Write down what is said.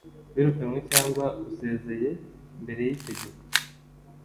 Wirukanwe cyangwa usezeye mbere y’ icyo gihe